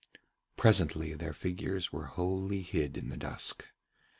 Presently their figures were wholly hid in the dusk.